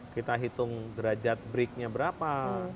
kita hitung derajat breaknya berapa